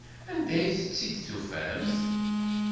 Anda ay tt-id-tufamt?